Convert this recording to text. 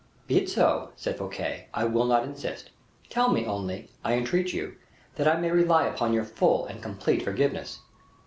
"Be it so," said Fouquet; "I will not insist. Tell me, only, I entreat you, that I may rely upon your full and complete forgiveness."